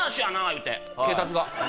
言うて警察が。